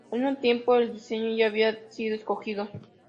Al mismo tiempo, el diseño ya había sido escogido.